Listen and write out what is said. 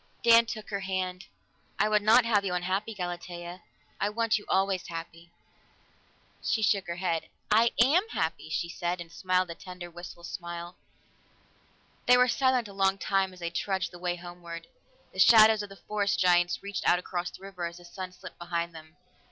Dan took her hand. "I would not have you unhappy, Galatea. I want you always happy." She shook her head. "I am happy," she said, and smiled a tender, wistful smile. They were silent a long time as they trudged the way homeward. The shadows of the forest giants reached out across the river as the sun slipped behind them.